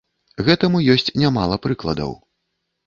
Гэтаму ёсць нямала прыкладаў.